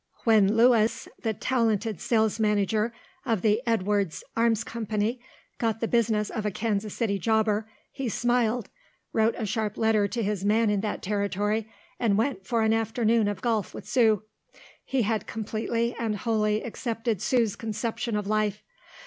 When Lewis, the talented sales manager of the Edwards Arms Company, got the business of a Kansas City jobber, he smiled, wrote a sharp letter to his man in that territory, and went for an afternoon of golf with Sue. He had completely and wholly accepted Sue's conception of life.